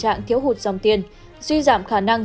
trạng thiếu hụt dòng tiền suy giảm khả năng